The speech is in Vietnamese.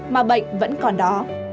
mà bệnh vẫn còn đó